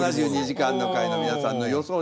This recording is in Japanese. ７２時間の会の皆さんの予想